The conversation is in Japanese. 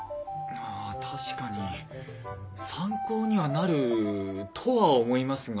ああ確かに参考にはなるとは思いますが。